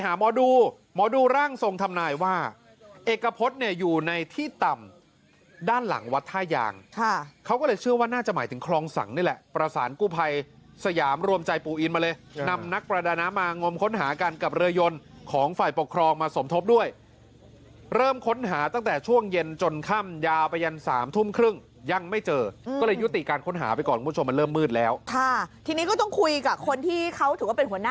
หายไปหลังเมนเจ็ดวันหาไม่เจอครับญาติให้หมอดู